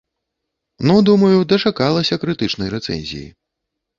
Ну, думаю, дачакалася крытычнай рэцэнзіі.